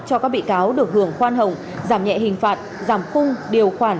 cho các bị cáo được hưởng khoan hồng giảm nhẹ hình phạt giảm khung điều khoản